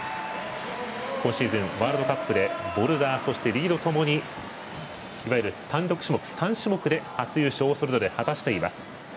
今シーズン、ワールドカップでボルダー、そしてリードともにいわゆる単種目で初優勝をそれぞれ果たしています。